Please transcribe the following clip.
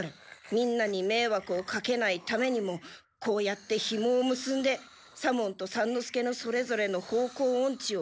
みんなにめいわくをかけないためにもこうやってひもをむすんで左門と三之助のそれぞれの方向オンチをふせいでいる。